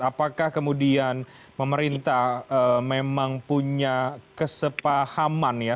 apakah kemudian pemerintah memang punya kesepahaman ya